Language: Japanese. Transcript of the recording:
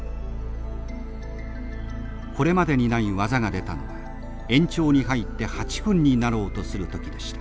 これまでにない技が出たのは延長に入って８分になろうとする時でした。